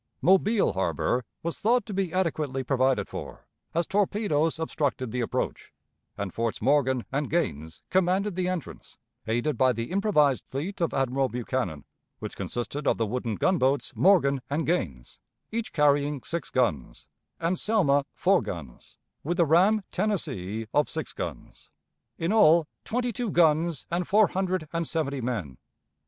Mobile Harbor was thought to be adequately provided for, as torpedoes obstructed the approach, and Forts Morgan and Gaines commanded the entrance, aided by the improvised fleet of Admiral Buchanan, which consisted of the wooden gunboats Morgan and Gaines, each carrying six guns, and Selma four guns, with the ram Tennessee of six guns in all, twenty two guns and four hundred and seventy men.